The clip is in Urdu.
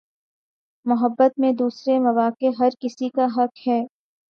محبت میں دوسرا موقع ہر کسی کا حق ہے